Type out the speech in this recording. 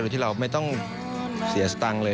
ที่เราไม่ต้องเสียสตังค์เลย